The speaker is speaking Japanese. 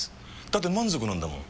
だって満足なんだもん。